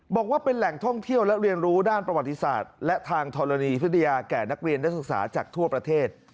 บอกว่าเป็นแหล่งท่องเที่ยวและเรียนรู้ด้านประวัติศาสตร์และทางธรณีพิทยาแก่นักเรียนนักศึกษาจากทั่วประเทศ